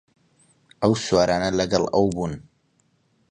ئەو سوارانە لەگەڵ ئەو بوون